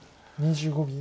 ２５秒。